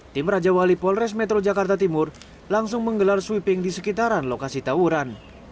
tim raja wali polres metro jakarta timur langsung menggelar sweeping di sekitaran lokasi tawuran